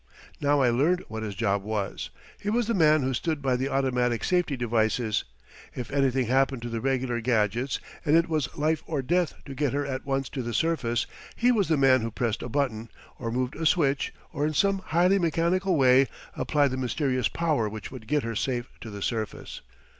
Now I learned what his job was. He was the man who stood by the automatic safety devices. If anything happened to the regular gadgets and it was life or death to get her at once to the surface, he was the man who pressed a button, or moved a switch, or in some highly mechanical way applied the mysterious power which would get her safe to the surface.